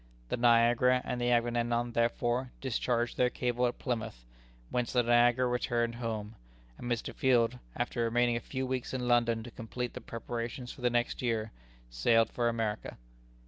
The Niagara and the Agamemnon therefore discharged their cable at Plymouth, whence the Niagara returned home; and Mr. Field, after remaining a few weeks in London to complete the preparations for the next year, sailed for America.